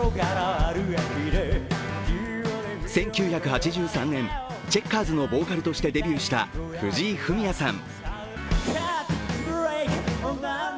１９８３年、チェッカーズのボーカルとしてデビューした、藤井フミヤさん。